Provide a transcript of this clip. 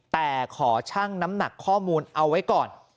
แต่ขอชั่งน้ำหนักข้อมูลเอาไว้ก่อน